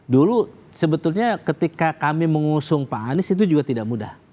dulu sebetulnya ketika kami mengusung pak anies itu juga tidak mudah